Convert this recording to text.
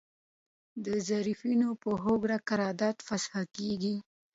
د طرفینو په هوکړه قرارداد فسخه کیږي.